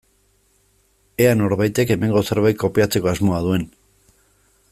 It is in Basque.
Ea norbaitek hemengo zerbait kopiatzeko asmoa duen.